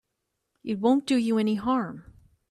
It won't do you any harm.